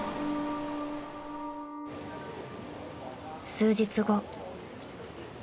［数日後］